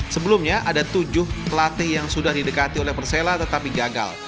sebelumnya ada tujuh pelatih yang sudah didekati oleh persela tetapi gagal